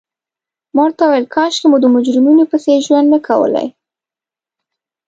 ما ورته وویل: کاشکي مو د مجرمینو په څېر ژوند نه کولای.